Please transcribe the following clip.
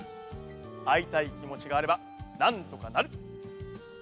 あいたいきもちがあればなんとかなる。